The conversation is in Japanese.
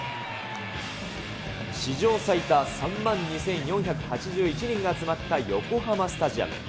史上最多３万２４８１人が集まった横浜スタジアム。